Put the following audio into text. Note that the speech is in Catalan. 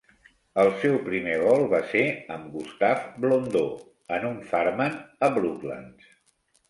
El seu primer vol va ser amb Gustave Blondeau en un Farman a Brooklands.